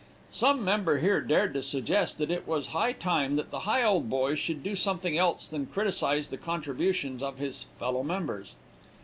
Some member here dared to suggest that it was high time that the Higholdboy should do something else than criticise the contributions of his fellow members.